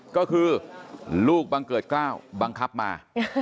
ก็คือลูกบังเกิด๙บังคับมา